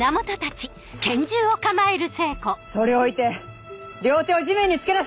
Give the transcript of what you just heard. それを置いて両手を地面につけなさい。